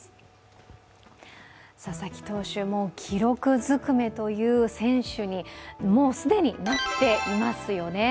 佐々木投手、記録ずくめという選手に、もう既になっていますよね。